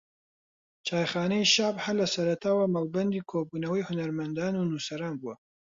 چایخانەی شەعب ھەر لە سەرەتاوە مەڵبەندی کۆبونەوەی ھونەرمەندان و نووسەران بووە